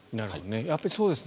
やっぱりそうですね